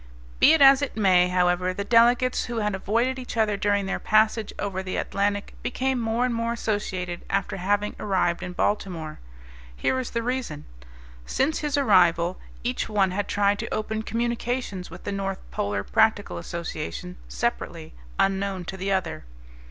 Be it as it may, however, the delegates who had avoided each other during their passage over the Atlantic became more and more associated after having arrived in Baltimore. Here is the reason: Since his arrival each one had tried to open communications with the North Polar Practical Association separately, unknown to the other.